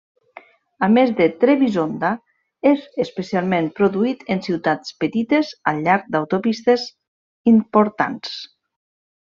A més de Trebisonda, és especialment produït en ciutats petites al llarg d'autopistes importants.